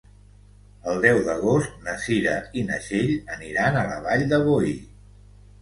El deu d'agost na Cira i na Txell aniran a la Vall de Boí.